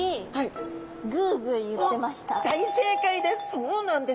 そうなんです。